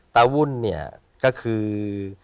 วุ่นเนี่ยก็คือ